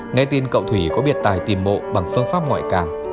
nghe tin cậu thủy có biệt tài tìm mộ bằng phương pháp ngoại càng